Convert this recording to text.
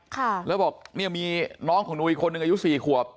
ค่ะแล้วบอกเนี่ยมีน้องของหนูอีกคนนึงอายุสี่ขวบ